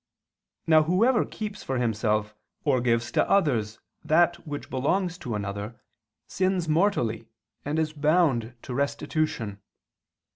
Now whoever keeps for himself or gives to others that which belongs to another, sins mortally and is bound to restitution.